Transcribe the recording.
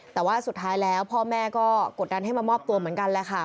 แต่ว่าสุดท้ายแล้วพ่อแม่ก็กดดันให้มามอบตัวเหมือนกันแหละค่ะ